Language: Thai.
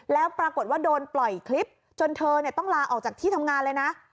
แล้วปรากฏว่าโดนปล่อยคลิปจนเธอต้องลาออกจากที่ทำงานเลยนะ